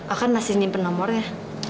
aku kan masih nyimpen nomornya